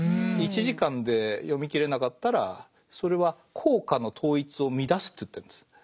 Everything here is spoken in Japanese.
１時間で読みきれなかったらそれは効果の統一を乱すと言ってるんです。